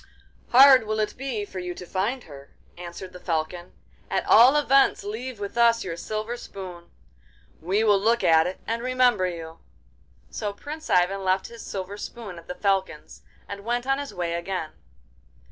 'Hard will it be for you to find her,' answered the Falcon. 'At all events leave with us your silver spoon. We will look at it and remember you.' So Prince Ivan left his silver spoon at the Falcon's, and went on his way again.